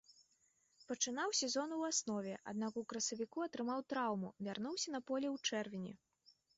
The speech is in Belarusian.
Пачынаў сезон у аснове, аднак у красавіку атрымаў траўму, вярнуўся на поле ў чэрвені.